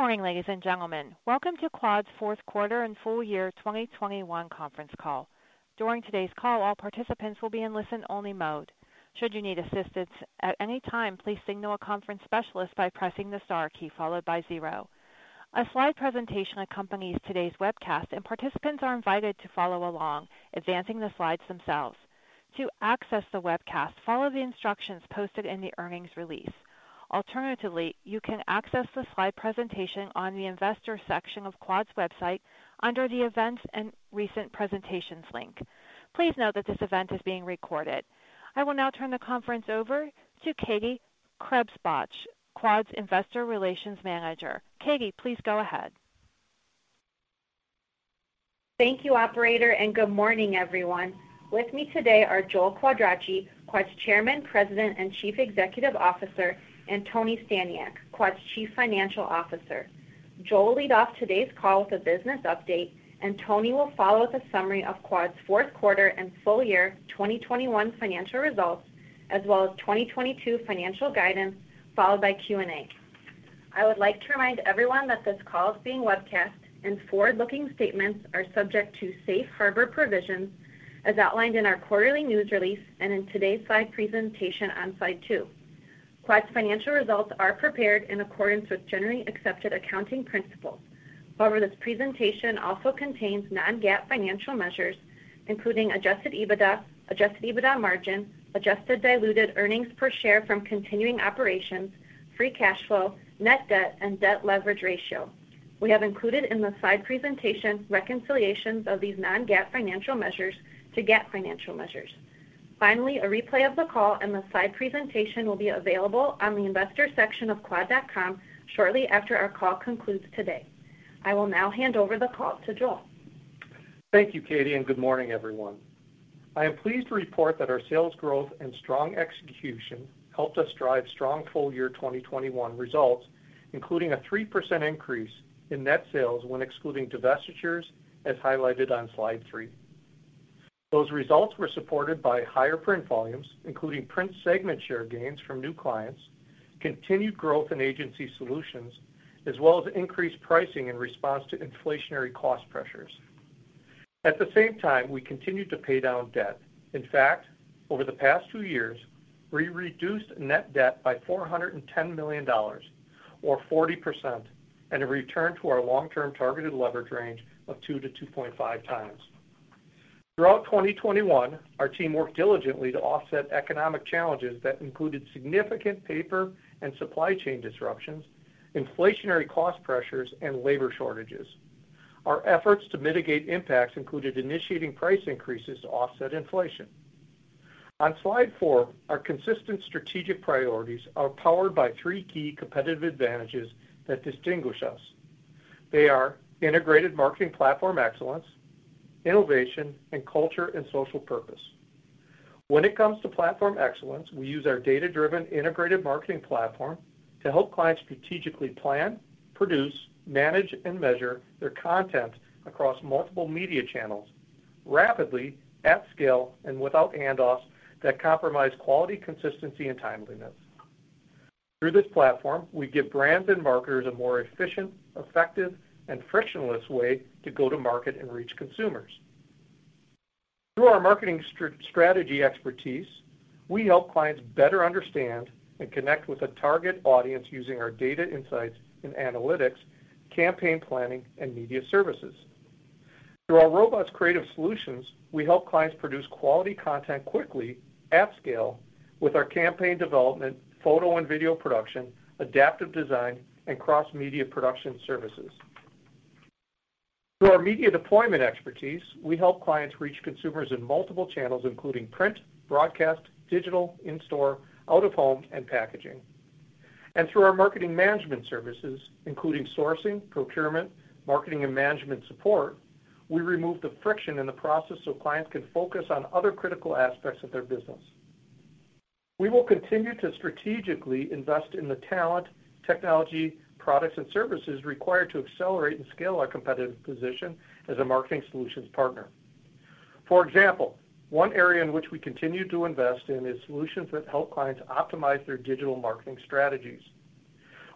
Good morning, ladies and gentlemen. Welcome to Quad's fourth quarter and full year 2021 conference call. During today's call, all participants will be in listen-only mode. Should you need assistance at any time, please signal a conference specialist by pressing the star key followed by zero. A slide presentation accompanies today's webcast, and participants are invited to follow along, advancing the slides themselves. To access the webcast, follow the instructions posted in the earnings release. Alternatively, you can access the slide presentation on the investor section of Quad's website under the Events and Recent Presentations link. Please note that this event is being recorded. I will now turn the conference over to Katie Krebsbach, Quad's Investor Relations Manager. Katie, please go ahead. Thank you, operator, and good morning, everyone. With me today are Joel Quadracci, Quad's Chairman, President, and Chief Executive Officer, and Tony Staniak, Quad's Chief Financial Officer. Joel will lead off today's call with a business update, and Tony will follow with a summary of Quad's fourth quarter and full year 2021 financial results, as well as 2022 financial guidance, followed by Q&A. I would like to remind everyone that this call is being webcast and forward-looking statements are subject to safe harbor provisions as outlined in our quarterly news release and in today's slide presentation on slide two. Quad's financial results are prepared in accordance with Generally Accepted Accounting Principles. However, this presentation also contains non-GAAP financial measures, including adjusted EBITDA, adjusted EBITDA margin, adjusted diluted earnings per share from continuing operations, free cash flow, net debt, and debt leverage ratio. We have included in the slide presentation reconciliations of these non-GAAP financial measures to GAAP financial measures. Finally, a replay of the call and the slide presentation will be available on the investors section of quad.com shortly after our call concludes today. I will now hand over the call to Joel. Thank you, Katie, and good morning, everyone. I am pleased to report that our sales growth and strong execution helped us drive strong full year 2021 results, including a 3% increase in net sales when excluding divestitures, as highlighted on slide three. Those results were supported by higher print volumes, including print segment share gains from new clients, continued growth in agency solutions, as well as increased pricing in response to inflationary cost pressures. At the same time, we continued to pay down debt. In fact, over the past two years, we reduced net debt by $410 million or 40% and have returned to our long-term targeted leverage range of 2x-2.5x. Throughout 2021, our team worked diligently to offset economic challenges that included significant paper and supply chain disruptions, inflationary cost pressures, and labor shortages. Our efforts to mitigate impacts included initiating price increases to offset inflation. On slide four, our consistent strategic priorities are powered by three key competitive advantages that distinguish us. They are integrated marketing platform excellence, innovation, and culture and social purpose. When it comes to platform excellence, we use our data-driven integrated marketing platform to help clients strategically plan, produce, manage, and measure their content across multiple media channels rapidly, at scale, and without handoffs that compromise quality, consistency, and timeliness. Through this platform, we give brands and marketers a more efficient, effective, and frictionless way to go to market and reach consumers. Through our marketing strategy expertise, we help clients better understand and connect with a target audience using our data insights and analytics, campaign planning, and media services. Through our robust creative solutions, we help clients produce quality content quickly at scale with our campaign development, photo and video production, adaptive design, and cross-media production services. Through our media deployment expertise, we help clients reach consumers in multiple channels, including print, broadcast, digital, in-store, out-of-home, and packaging. Through our marketing management services, including sourcing, procurement, marketing, and management support, we remove the friction in the process so clients can focus on other critical aspects of their business. We will continue to strategically invest in the talent, technology, products, and services required to accelerate and scale our competitive position as a marketing solutions partner. For example, one area in which we continue to invest in is solutions that help clients optimize their digital marketing strategies.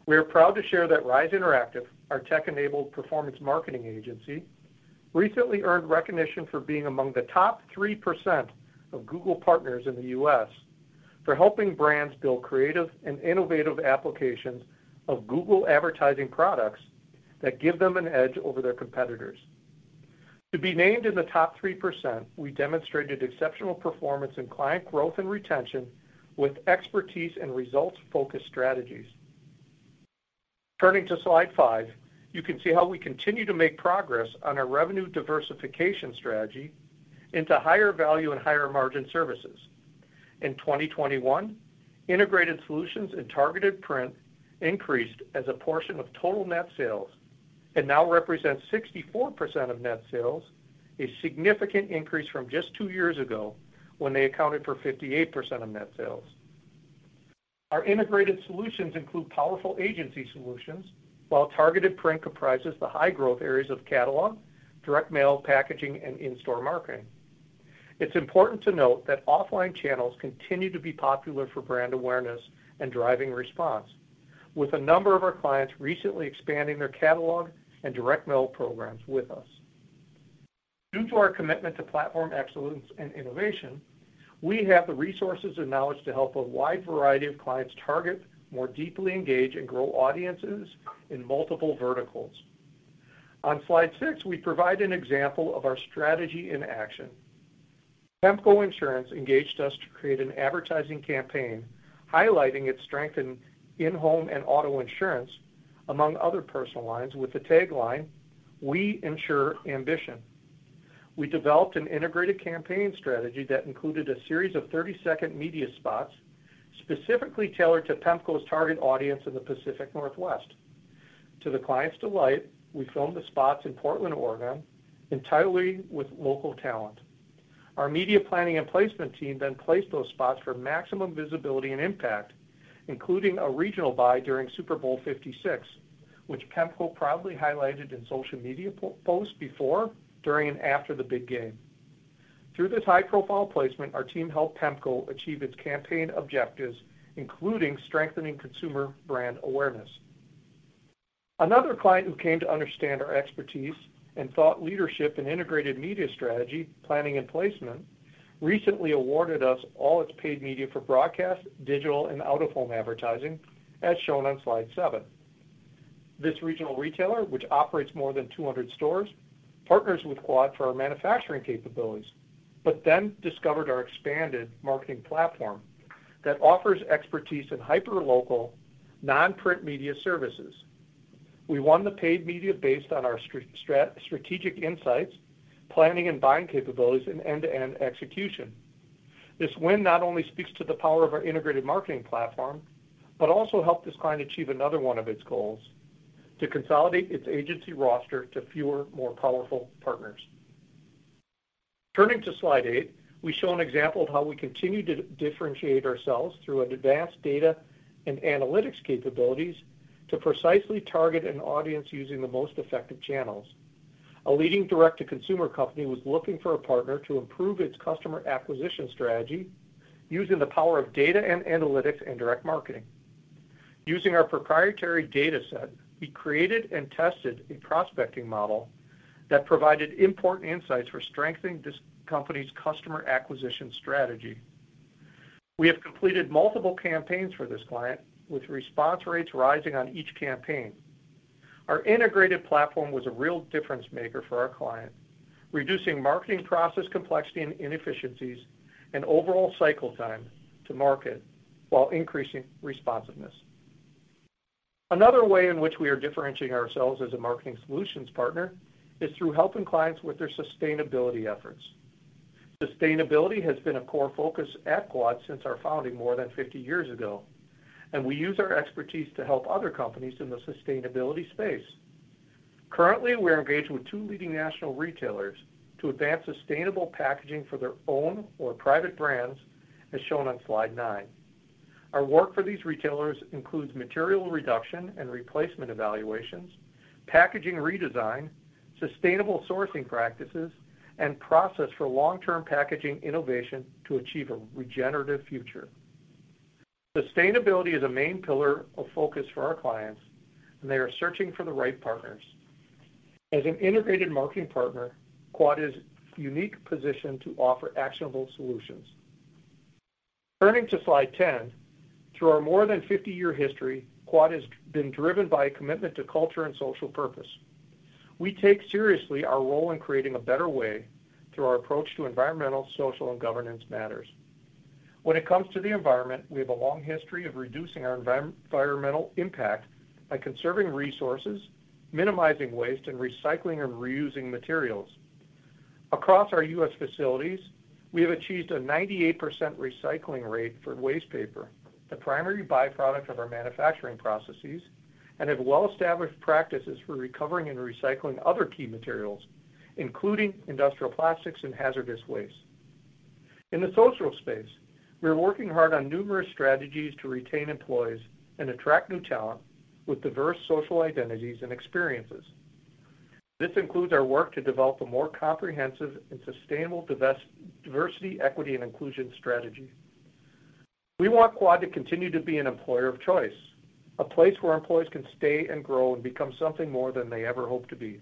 We are proud to share that Rise Interactive, our tech-enabled performance marketing agency, recently earned recognition for being among the top 3% of Google partners in the U.S. for helping brands build creative and innovative applications of Google advertising products that give them an edge over their competitors. To be named in the top 3%, we demonstrated exceptional performance in client growth and retention with expertise in results-focused strategies. Turning to slide five, you can see how we continue to make progress on our revenue diversification strategy into higher value and higher margin services. In 2021, integrated solutions and targeted print increased as a portion of total net sales and now represent 64% of net sales, a significant increase from just two years ago, when they accounted for 58% of net sales. Our integrated solutions include powerful agency solutions, while targeted print comprises the high growth areas of catalog, direct mail, packaging, and in-store marketing. It's important to note that offline channels continue to be popular for brand awareness and driving response, with a number of our clients recently expanding their catalog and direct mail programs with us. Due to our commitment to platform excellence and innovation, we have the resources and knowledge to help a wide variety of clients target, more deeply engage, and grow audiences in multiple verticals. On slide six, we provide an example of our strategy in action. PEMCO Insurance engaged us to create an advertising campaign highlighting its strength in in-home and auto insurance, among other personal lines, with the tagline, "We ensure ambition." We developed an integrated campaign strategy that included a series of 30-second media spots specifically tailored to PEMCO's target audience in the Pacific Northwest. To the client's delight, we filmed the spots in Portland, Oregon, entirely with local talent. Our media planning and placement team then placed those spots for maximum visibility and impact, including a regional buy during Super Bowl LVI, which PEMCO proudly highlighted in social media posts before, during, and after the big game. Through this high-profile placement, our team helped PEMCO achieve its campaign objectives, including strengthening consumer brand awareness. Another client who came to understand our expertise and thought leadership in integrated media strategy, planning, and placement, recently awarded us all its paid media for broadcast, digital, and out-of-home advertising, as shown on slide seven. This regional retailer, which operates more than 200 stores, partners with Quad for our manufacturing capabilities, but then discovered our expanded marketing platform that offers expertise in hyperlocal, non-print media services. We won the paid media based on our strategic insights, planning and buying capabilities, and end-to-end execution. This win not only speaks to the power of our integrated marketing platform, but also helped this client achieve another one of its goals, to consolidate its agency roster to fewer, more powerful partners. Turning to slide eight, we show an example of how we continue to differentiate ourselves through an advanced data and analytics capabilities to precisely target an audience using the most effective channels. A leading direct-to-consumer company was looking for a partner to improve its customer acquisition strategy using the power of data and analytics and direct marketing. Using our proprietary data set, we created and tested a prospecting model that provided important insights for strengthening this company's customer acquisition strategy. We have completed multiple campaigns for this client, with response rates rising on each campaign. Our integrated platform was a real difference maker for our client, reducing marketing process complexity and inefficiencies and overall cycle time to market while increasing responsiveness. Another way in which we are differentiating ourselves as a marketing solutions partner is through helping clients with their sustainability efforts. Sustainability has been a core focus at Quad since our founding more than 50 years ago, and we use our expertise to help other companies in the sustainability space. Currently, we are engaged with two leading national retailers to advance sustainable packaging for their own or private brands, as shown on slide nine. Our work for these retailers includes material reduction and replacement evaluations, packaging redesign, sustainable sourcing practices, and process for long-term packaging innovation to achieve a regenerative future. Sustainability is a main pillar of focus for our clients, and they are searching for the right partners. As an integrated marketing partner, Quad is uniquely positioned to offer actionable solutions. Turning to slide 10, through our more than 50-year history, Quad has been driven by a commitment to culture and social purpose. We take seriously our role in creating a better way through our approach to environmental, social, and governance matters. When it comes to the environment, we have a long history of reducing our environmental impact by conserving resources, minimizing waste, and recycling and reusing materials. Across our U.S. facilities, we have achieved a 98% recycling rate for waste paper, the primary byproduct of our manufacturing processes, and have well-established practices for recovering and recycling other key materials, including industrial plastics and hazardous waste. In the social space, we are working hard on numerous strategies to retain employees and attract new talent with diverse social identities and experiences. This includes our work to develop a more comprehensive and sustainable diversity, equity, and inclusion strategy. We want Quad to continue to be an employer of choice, a place where employees can stay and grow and become something more than they ever hoped to be.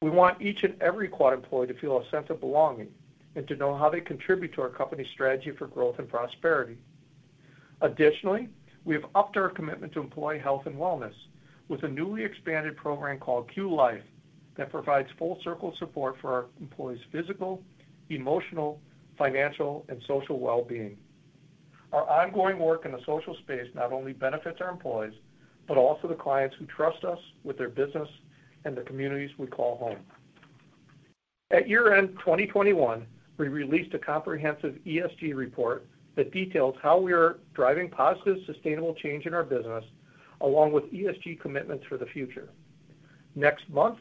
We want each and every Quad employee to feel a sense of belonging and to know how they contribute to our company's strategy for growth and prosperity. Additionally, we have upped our commitment to employee health and wellness with a newly expanded program called QLife that provides full circle support for our employees' physical, emotional, financial, and social well-being. Our ongoing work in the social space not only benefits our employees, but also the clients who trust us with their business and the communities we call home. At year-end 2021, we released a comprehensive ESG report that details how we are driving positive, sustainable change in our business along with ESG commitments for the future. Next month,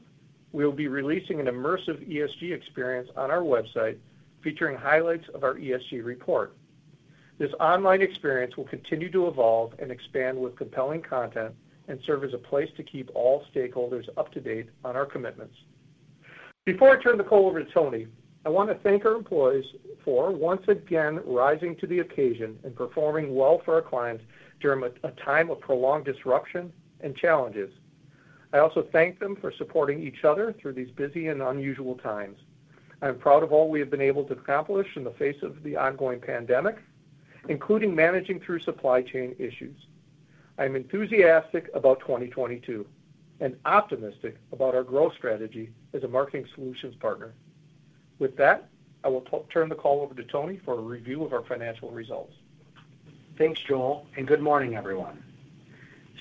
we will be releasing an immersive ESG experience on our website featuring highlights of our ESG report. This online experience will continue to evolve and expand with compelling content and serve as a place to keep all stakeholders up to date on our commitments. Before I turn the call over to Tony, I wanna thank our employees for, once again, rising to the occasion and performing well for our clients during a time of prolonged disruption and challenges. I also thank them for supporting each other through these busy and unusual times. I am proud of all we have been able to accomplish in the face of the ongoing pandemic, including managing through supply chain issues. I am enthusiastic about 2022 and optimistic about our growth strategy as a marketing solutions partner. With that, I will turn the call over to Tony for a review of our financial results. Thanks, Joel, and good morning, everyone.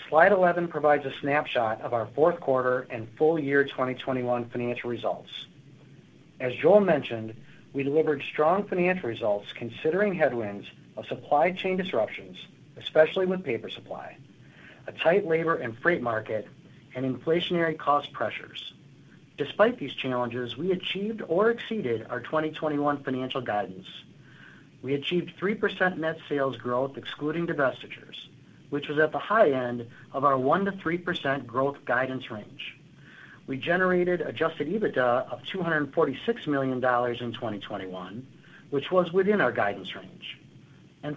Slide 11 provides a snapshot of our fourth quarter and full year 2021 financial results. As Joel mentioned, we delivered strong financial results considering headwinds of supply chain disruptions, especially with paper supply, a tight labor and freight market, and inflationary cost pressures. Despite these challenges, we achieved or exceeded our 2021 financial guidance. We achieved 3% net sales growth excluding divestitures, which was at the high end of our 1%-3% growth guidance range. We generated adjusted EBITDA of $246 million in 2021, which was within our guidance range.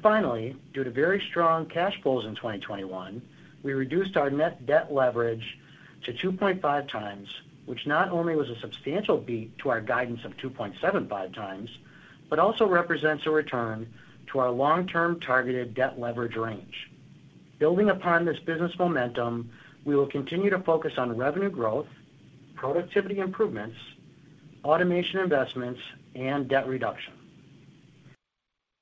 Finally, due to very strong cash flows in 2021, we reduced our net debt leverage to 2.5x, which not only was a substantial beat to our guidance of 2.75x, but also represents a return to our long-term targeted debt leverage range. Building upon this business momentum, we will continue to focus on revenue growth, productivity improvements, automation investments, and debt reduction.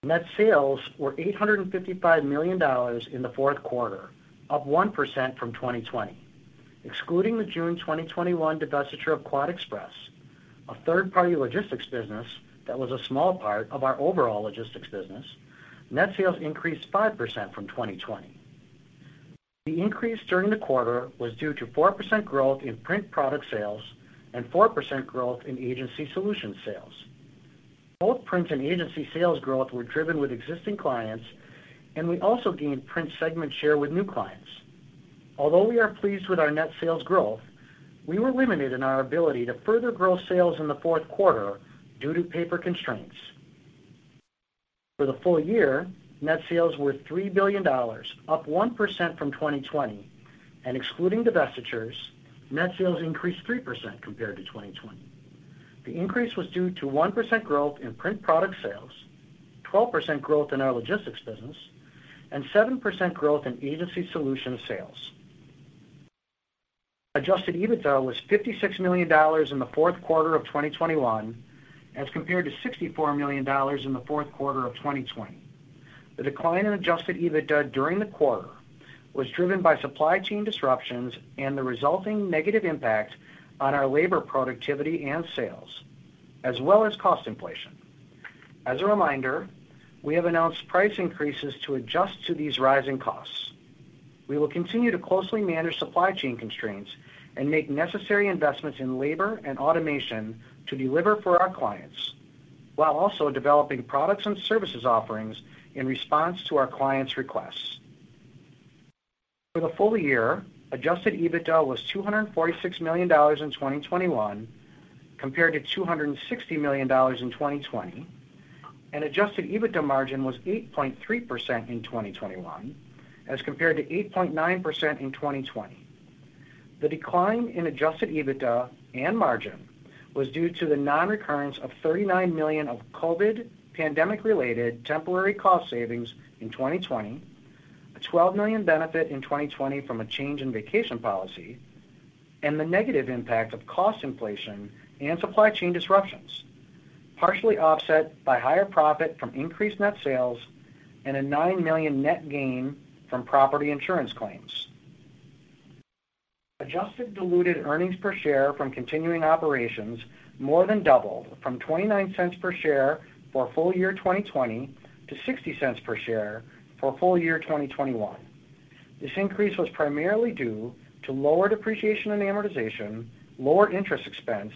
Net sales were $855 million in the fourth quarter, up 1% from 2020. Excluding the June 2021 divestiture of QuadExpress, a third-party logistics business that was a small part of our overall logistics business, net sales increased 5% from 2020. The increase during the quarter was due to 4% growth in print product sales and 4% growth in agency solution sales. Both print and agency sales growth were driven with existing clients, and we also gained print segment share with new clients. Although we are pleased with our net sales growth, we were limited in our ability to further grow sales in the fourth quarter due to paper constraints. For the full year, net sales were $3 billion, up 1% from 2020. Excluding divestitures, net sales increased 3% compared to 2020. The increase was due to 1% growth in print product sales, 12% growth in our logistics business, and 7% growth in agency solutions sales. Adjusted EBITDA was $56 million in the fourth quarter of 2021 as compared to $64 million in the fourth quarter of 2020. The decline in adjusted EBITDA during the quarter was driven by supply chain disruptions and the resulting negative impact on our labor productivity and sales, as well as cost inflation. As a reminder, we have announced price increases to adjust to these rising costs. We will continue to closely manage supply chain constraints and make necessary investments in labor and automation to deliver for our clients, while also developing products and services offerings in response to our clients' requests. For the full year, adjusted EBITDA was $246 million in 2021 compared to $260 million in 2020, and adjusted EBITDA margin was 8.3% in 2021 as compared to 8.9% in 2020. The decline in adjusted EBITDA and margin was due to the non-recurrence of $39 million of COVID pandemic-related temporary cost savings in 2020, a $12 million benefit in 2020 from a change in vacation policy, and the negative impact of cost inflation and supply chain disruptions, partially offset by higher profit from increased net sales and a $9 million net gain from property insurance claims. Adjusted diluted earnings per share from continuing operations more than doubled from $0.29 per share for full year 2020 to $0.60 per share for full year 2021. This increase was primarily due to lower depreciation and amortization, lower interest expense,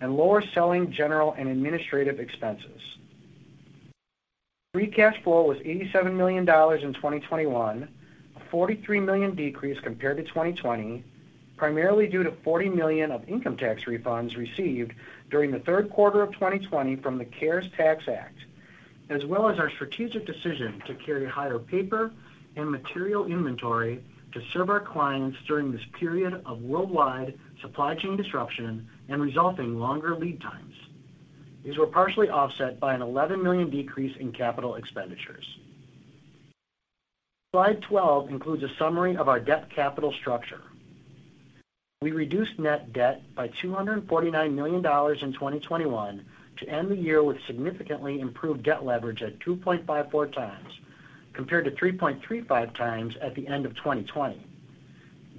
and lower selling, general, and administrative expenses. Free cash flow was $87 million in 2021, a $43 million decrease compared to 2020, primarily due to $40 million of income tax refunds received during the third quarter of 2020 from the CARES Tax Act, as well as our strategic decision to carry higher paper and material inventory to serve our clients during this period of worldwide supply chain disruption and resulting longer lead times. These were partially offset by an $11 million decrease in capital expenditures. Slide 12 includes a summary of our debt capital structure. We reduced net debt by $249 million in 2021 to end the year with significantly improved debt leverage at 2.54x compared to 3.35x at the end of 2020.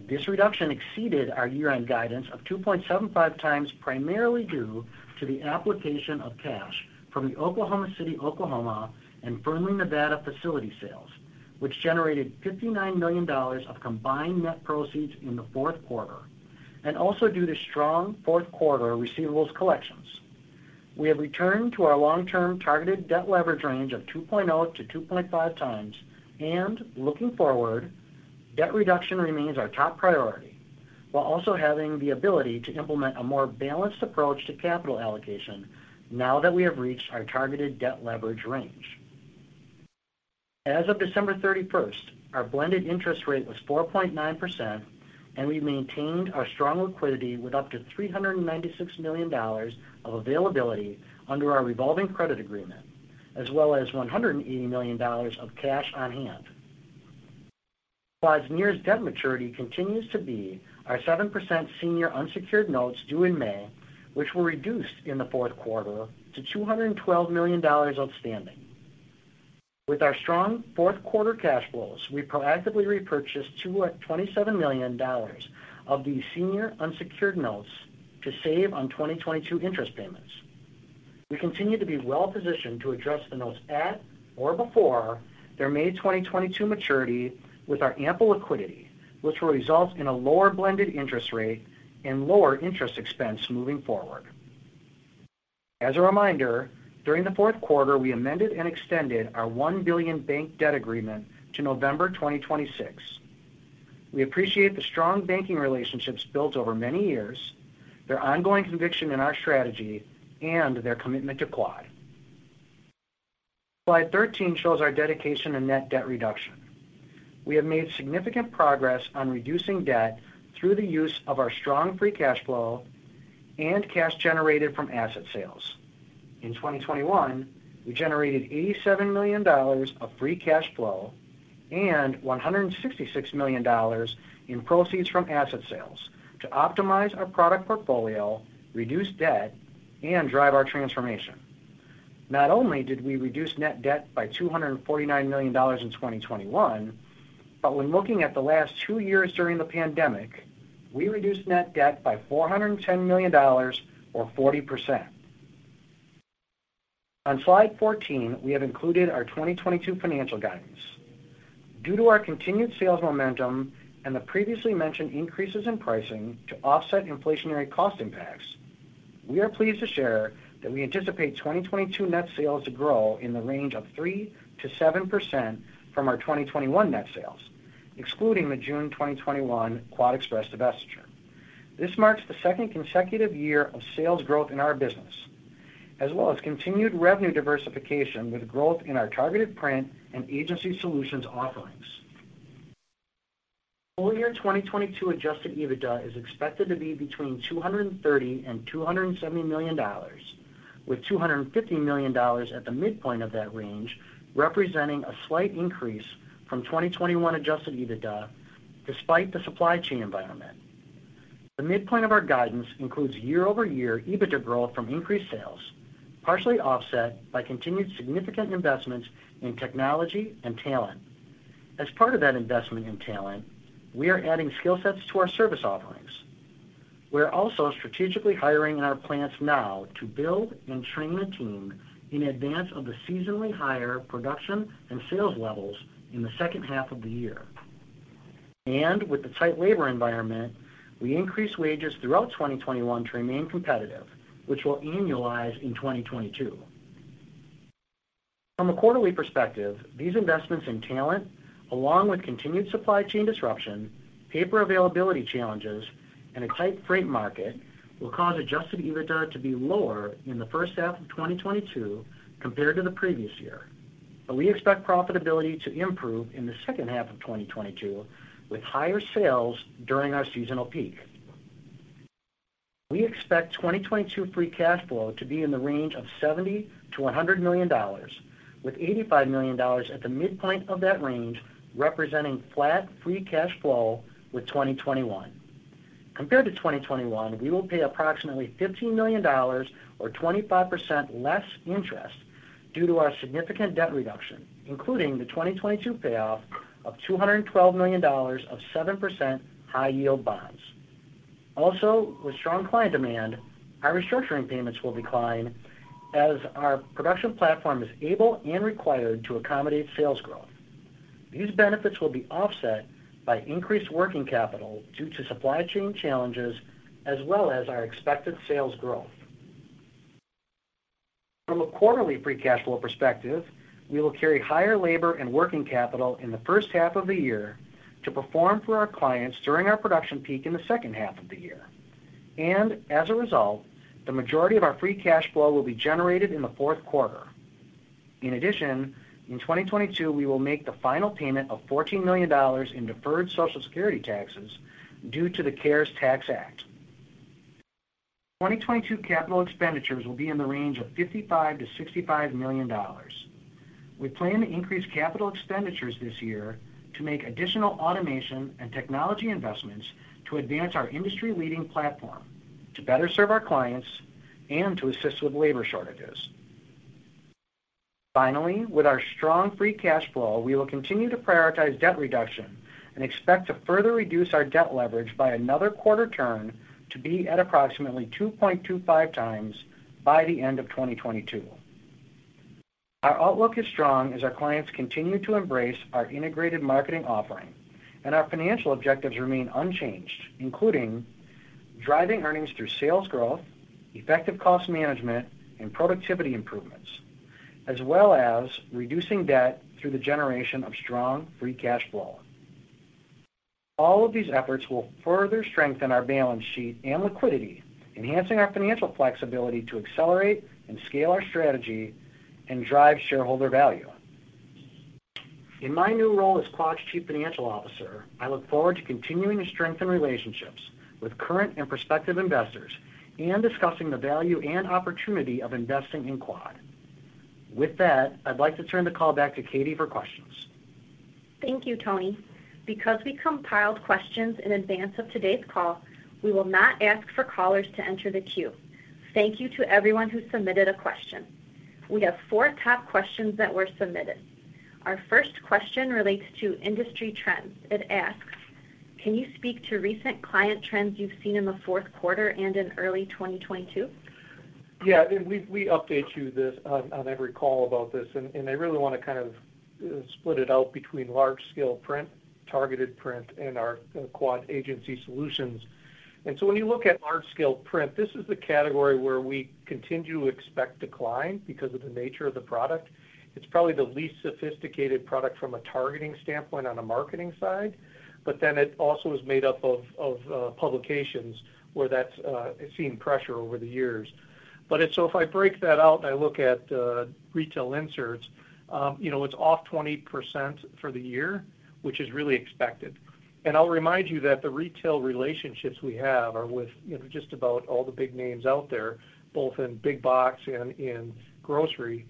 This reduction exceeded our year-end guidance of 2.75x, primarily due to the application of cash from the Oklahoma City, Oklahoma, and Fernley, Nevada, facility sales, which generated $59 million of combined net proceeds in the fourth quarter and also due to strong fourth quarter receivables collections. We have returned to our long-term targeted debt leverage range of 2.0x-2.5x. Looking forward, debt reduction remains our top priority, while also having the ability to implement a more balanced approach to capital allocation now that we have reached our targeted debt leverage range. As of December 31st, our blended interest rate was 4.9%, and we maintained our strong liquidity with up to $396 million of availability under our revolving credit agreement, as well as $180 million of cash on hand. Quad's nearest debt maturity continues to be our 7% senior unsecured notes due in May, which were reduced in the fourth quarter to $212 million outstanding. With our strong fourth quarter cash flows, we proactively repurchased $27 million of these senior unsecured notes to save on 2022 interest payments. We continue to be well-positioned to address the notes at or before their May 2022 maturity with our ample liquidity, which will result in a lower blended interest rate and lower interest expense moving forward. As a reminder, during the fourth quarter, we amended and extended our $1 billion bank debt agreement to November 2026. We appreciate the strong banking relationships built over many years, their ongoing conviction in our strategy, and their commitment to Quad. Slide 13 shows our dedication to net debt reduction. We have made significant progress on reducing debt through the use of our strong free cash flow and cash generated from asset sales. In 2021, we generated $87 million of free cash flow and $166 million in proceeds from asset sales to optimize our product portfolio, reduce debt, and drive our transformation. Not only did we reduce net debt by $249 million in 2021, but when looking at the last two years during the pandemic, we reduced net debt by $410 million or 40%. On slide 14, we have included our 2022 financial guidance. Due to our continued sales momentum and the previously mentioned increases in pricing to offset inflationary cost impacts, we are pleased to share that we anticipate 2022 net sales to grow in the range of 3%-7% from our 2021 net sales, excluding the June 2021 QuadExpress divestiture. This marks the second consecutive year of sales growth in our business, as well as continued revenue diversification with growth in our targeted print and agency solutions offerings. Full year 2022 adjusted EBITDA is expected to be between $230 million and $270 million, with $250 million at the midpoint of that range, representing a slight increase from 2021 adjusted EBITDA despite the supply chain environment. The midpoint of our guidance includes year-over-year EBITDA growth from increased sales, partially offset by continued significant investments in technology and talent. As part of that investment in talent, we are adding skill sets to our service offerings. We are also strategically hiring in our plants now to build and train the team in advance of the seasonally higher production and sales levels in the second half of the year. With the tight labor environment, we increased wages throughout 2021 to remain competitive, which will annualize in 2022. From a quarterly perspective, these investments in talent, along with continued supply chain disruption, paper availability challenges, and a tight freight market, will cause adjusted EBITDA to be lower in the first half of 2022 compared to the previous year. We expect profitability to improve in the second half of 2022 with higher sales during our seasonal peak. We expect 2022 free cash flow to be in the range of $70 million-$100 million, with $85 million at the midpoint of that range, representing flat free cash flow with 2021. Compared to 2021, we will pay approximately $15 million or 25% less interest due to our significant debt reduction, including the 2022 payoff of $212 million of 7% high-yield bonds. With strong client demand, our restructuring payments will decline as our production platform is able and required to accommodate sales growth. These benefits will be offset by increased working capital due to supply chain challenges as well as our expected sales growth. From a quarterly free cash flow perspective, we will carry higher labor and working capital in the first half of the year to perform for our clients during our production peak in the second half of the year. As a result, the majority of our free cash flow will be generated in the fourth quarter. In addition, in 2022, we will make the final payment of $14 million in deferred Social Security taxes due to the CARES Tax Act. 2022 capital expenditures will be in the range of $55 million-$65 million. We plan to increase capital expenditures this year to make additional automation and technology investments to advance our industry-leading platform, to better serve our clients, and to assist with labor shortages. Finally, with our strong free cash flow, we will continue to prioritize debt reduction and expect to further reduce our debt leverage by another quarter turn to be at approximately 2.25x by the end of 2022. Our outlook is strong as our clients continue to embrace our integrated marketing offering, and our financial objectives remain unchanged, including driving earnings through sales growth, effective cost management, and productivity improvements, as well as reducing debt through the generation of strong free cash flow. All of these efforts will further strengthen our balance sheet and liquidity, enhancing our financial flexibility to accelerate and scale our strategy and drive shareholder value. In my new role as Quad's Chief Financial Officer, I look forward to continuing to strengthen relationships with current and prospective investors and discussing the value and opportunity of investing in Quad. With that, I'd like to turn the call back to Katie for questions. Thank you, Tony. Because we compiled questions in advance of today's call, we will not ask for callers to enter the queue. Thank you to everyone who submitted a question. We have four top questions that were submitted. Our first question relates to industry trends. It asks, "Can you speak to recent client trends you've seen in the fourth quarter and in early 2022?" We update you on this on every call about this, and I really wanna kind of split it out between large-scale print, targeted print, and our Quad Agency Solutions. When you look at large-scale print, this is the category where we continue to expect decline because of the nature of the product. It's probably the least sophisticated product from a targeting standpoint on a marketing side, but then it also is made up of publications where it's seen pressure over the years. If I break that out and I look at retail inserts, you know, it's off 20% for the year, which is really expected. I'll remind you that the retail relationships we have are with, you know, just about all the big names out there, both in big box and in grocery.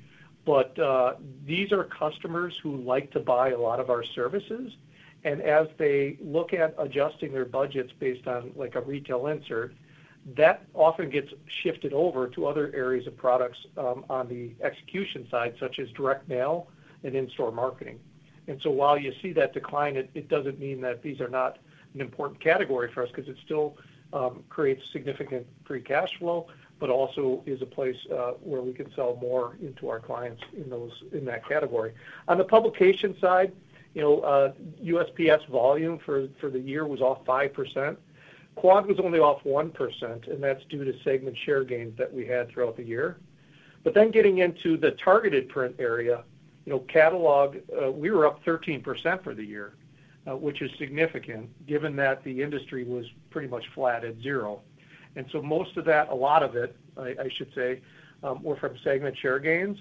These are customers who like to buy a lot of our services. As they look at adjusting their budgets based on like a retail insert, that often gets shifted over to other areas of products on the execution side, such as direct mail and in-store marketing. While you see that decline, it doesn't mean that these are not an important category for us 'cause it still creates significant free cash flow, but also is a place where we can sell more into our clients in those in that category. On the publication side, you know, USPS volume for the year was off 5%. Quad was only off 1%, and that's due to segment share gains that we had throughout the year. Getting into the targeted print area, you know, catalog, we were up 13% for the year, which is significant given that the industry was pretty much flat at 0%. Most of that, a lot of it, I should say, were from segment share gains.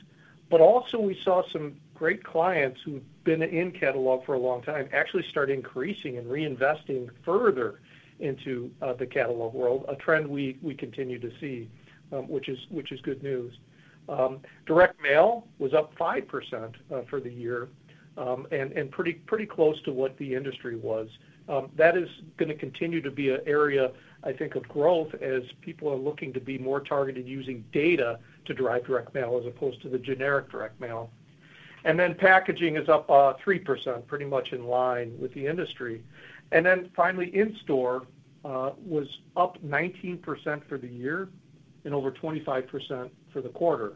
Also, we saw some great clients who've been in catalog for a long time actually start increasing and reinvesting further into the catalog world, a trend we continue to see, which is good news. Direct mail was up 5% for the year, and pretty close to what the industry was. That is gonna continue to be an area, I think, of growth as people are looking to be more targeted using data to drive direct mail as opposed to the generic direct mail. Packaging is up 3%, pretty much in line with the industry. In-store was up 19% for the year and over 25% for the quarter.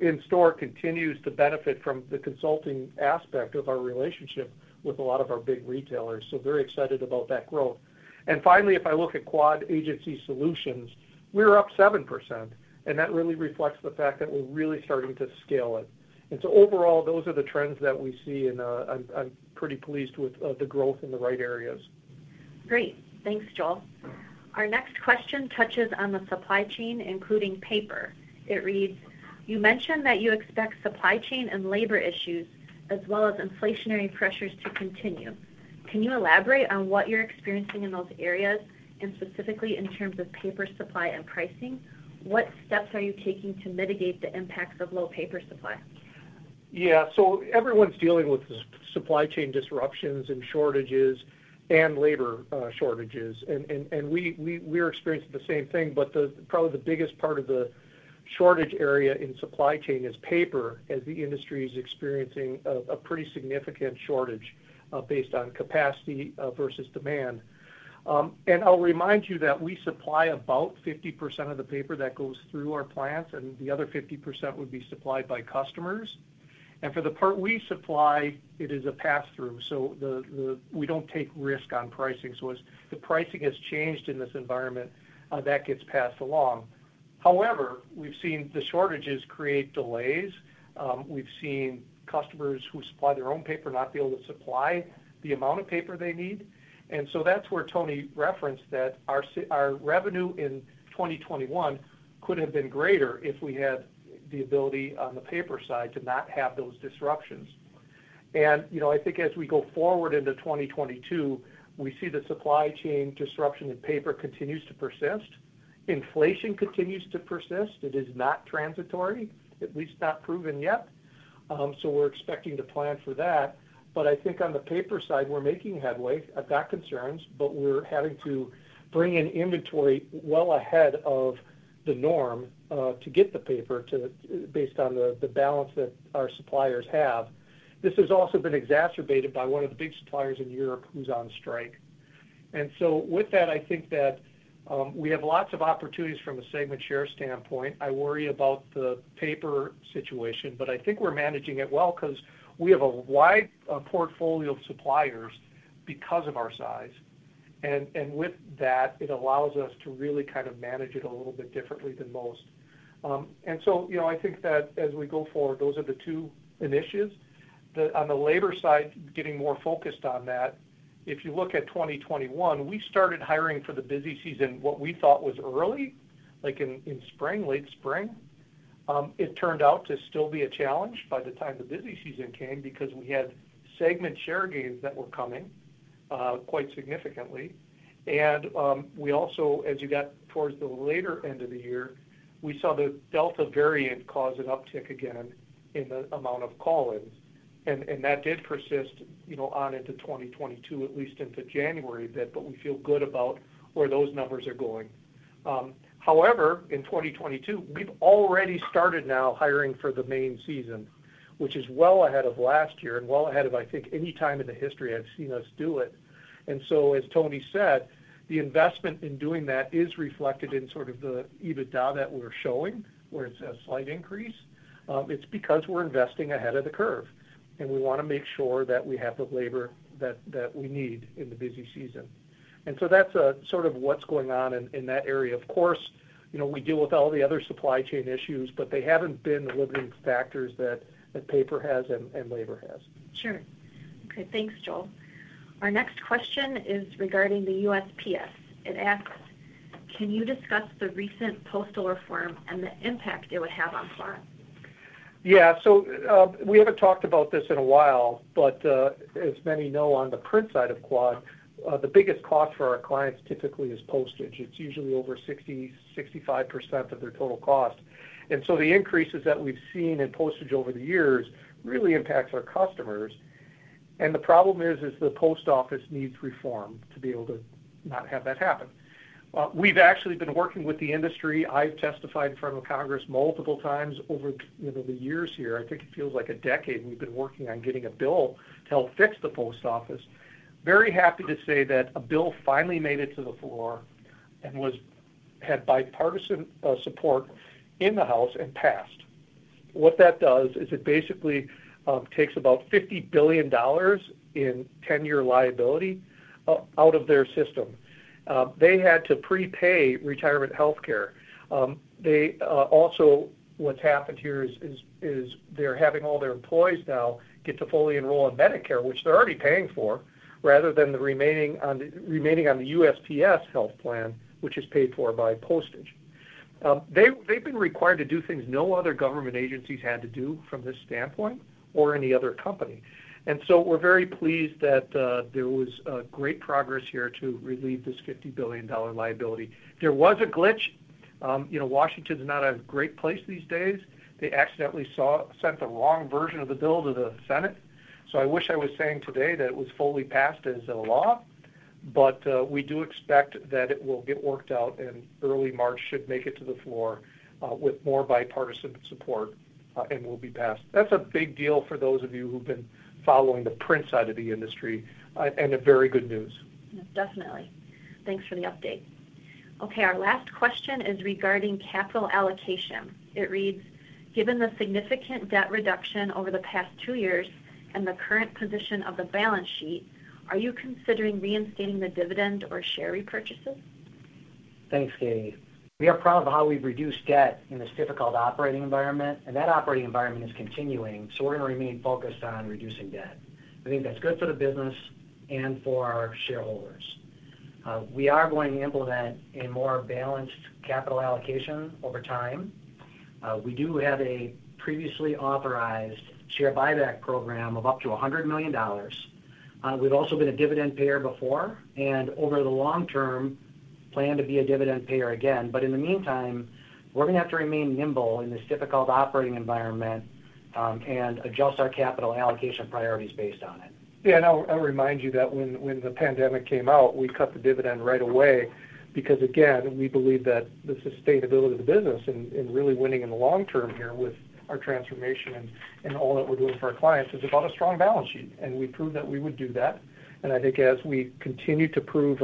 In-store continues to benefit from the consulting aspect of our relationship with a lot of our big retailers, so very excited about that growth. If I look at Quad Agency Solutions, we're up 7%, and that really reflects the fact that we're really starting to scale it. Overall, those are the trends that we see, and I'm pretty pleased with the growth in the right areas. Great. Thanks, Joel. Our next question touches on the supply chain, including paper. It reads: You mentioned that you expect supply chain and labor issues as well as inflationary pressures to continue. Can you elaborate on what you're experiencing in those areas, and specifically in terms of paper supply and pricing? What steps are you taking to mitigate the impacts of low paper supply? Yeah. Everyone's dealing with supply chain disruptions and shortages and labor shortages. We're experiencing the same thing, but probably the biggest part of the shortage area in supply chain is paper, as the industry is experiencing a pretty significant shortage based on capacity versus demand. I'll remind you that we supply about 50% of the paper that goes through our plants, and the other 50% would be supplied by customers. For the part we supply, it is a pass-through. We don't take risk on pricing. As the pricing has changed in this environment, that gets passed along. However, we've seen the shortages create delays. We've seen customers who supply their own paper not be able to supply the amount of paper they need. That's where Tony referenced that our revenue in 2021 could have been greater if we had the ability on the paper side to not have those disruptions. You know, I think as we go forward into 2022, we see the supply chain disruption in paper continues to persist. Inflation continues to persist. It is not transitory, at least not proven yet. We're expecting to plan for that. I think on the paper side, we're making headway on those concerns, but we're having to bring in inventory well ahead of the norm, to get the paper, based on the balance that our suppliers have. This has also been exacerbated by one of the big suppliers in Europe who's on strike. With that, I think that we have lots of opportunities from a segment share standpoint. I worry about the paper situation, but I think we're managing it well 'cause we have a wide portfolio of suppliers because of our size. With that, it allows us to really kind of manage it a little bit differently than most. You know, I think that as we go forward, those are the two initiatives. On the labor side, getting more focused on that, if you look at 2021, we started hiring for the busy season, what we thought was early, like in spring, late spring. It turned out to still be a challenge by the time the busy season came because we had segment share gains that were coming quite significantly. We also, as you got towards the later end of the year, we saw the Delta variant cause an uptick again in the amount of call-ins. That did persist, you know, on into 2022, at least into January a bit, but we feel good about where those numbers are going. However, in 2022, we've already started now hiring for the main season, which is well ahead of last year and well ahead of, I think, any time in the history I've seen us do it. As Tony said, the investment in doing that is reflected in sort of the EBITDA that we're showing, where it's a slight increase. It's because we're investing ahead of the curve, and we wanna make sure that we have the labor that we need in the busy season. That's sort of what's going on in that area. Of course, you know, we deal with all the other supply chain issues, but they haven't been the limiting factors that paper has and labor has. Sure. Okay. Thanks, Joel. Our next question is regarding the USPS. It asks, "Can you discuss the recent postal reform and the impact it would have on Quad?" Yeah. We haven't talked about this in a while, but as many know, on the print side of Quad, the biggest cost for our clients typically is postage. It's usually over 60%, 65% of their total cost. The increases that we've seen in postage over the years really impacts our customers. The problem is the Post Office needs reform to be able to not have that happen. We've actually been working with the industry. I've testified in front of Congress multiple times over, you know, the years here. I think it feels like a decade, and we've been working on getting a bill to help fix the Post Office. Very happy to say that a bill finally made it to the floor and had bipartisan support in the House and passed. What that does is it basically takes about $50 billion in 10-year liability out of their system. They had to prepay retirement health care. What's happened here is they're having all their employees now get to fully enroll in Medicare, which they're already paying for, rather than remaining on the USPS health plan, which is paid for by postage. They've been required to do things no other government agencies had to do from this standpoint or any other company. We're very pleased that there was great progress here to relieve this $50 billion liability. There was a glitch. You know, Washington's not a great place these days. They accidentally sent the wrong version of the bill to the Senate. I wish I was saying today that it was fully passed as a law, but we do expect that it will get worked out, and early March should make it to the floor with more bipartisan support and will be passed. That's a big deal for those of you who've been following the print side of the industry and a very good news. Yeah. Definitely. Thanks for the update. Okay. Our last question is regarding capital allocation. It reads: Given the significant debt reduction over the past two years and the current position of the balance sheet, are you considering reinstating the dividend or share repurchases? Thanks, Katie. We are proud of how we've reduced debt in this difficult operating environment, and that operating environment is continuing, so we're gonna remain focused on reducing debt. I think that's good for the business and for our shareholders. We are going to implement a more balanced capital allocation over time. We do have a previously authorized share buyback program of up to $100 million. We've also been a dividend payer before and over the long-term plan to be a dividend payer again. In the meantime, we're gonna have to remain nimble in this difficult operating environment and adjust our capital allocation priorities based on it. Yeah. I'll remind you that when the pandemic came out, we cut the dividend right away because, again, we believe that the sustainability of the business and really winning in the long term here with our transformation and all that we're doing for our clients is about a strong balance sheet, and we proved that we would do that. I think as we continue to prove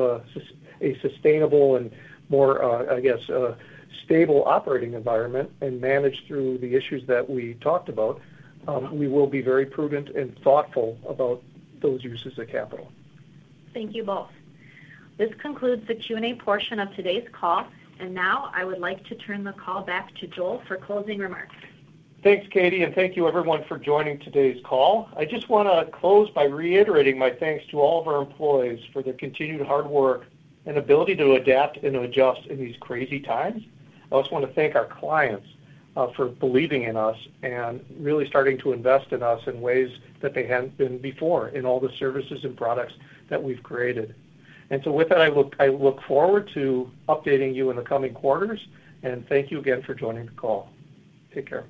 a sustainable and more, I guess, a stable operating environment and manage through the issues that we talked about, we will be very prudent and thoughtful about those uses of capital. Thank you both. This concludes the Q&A portion of today's call. Now I would like to turn the call back to Joel for closing remarks. Thanks, Katie, and thank you everyone for joining today's call. I just wanna close by reiterating my thanks to all of our employees for their continued hard work and ability to adapt and to adjust in these crazy times. I also wanna thank our clients for believing in us and really starting to invest in us in ways that they hadn't been before in all the services and products that we've created. With that, I look forward to updating you in the coming quarters, and thank you again for joining the call. Take care.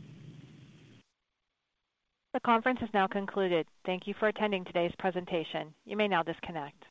The conference has now concluded. Thank you for attending today's presentation. You may now disconnect.